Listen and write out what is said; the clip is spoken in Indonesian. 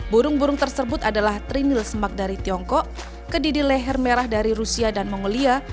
burung burung tersebut adalah trinil semak dari tiongkok kedidih leher merah dari rusia dan mongolia